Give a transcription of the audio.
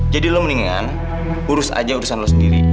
jadi lo mendingan urus aja urusan lu sendiri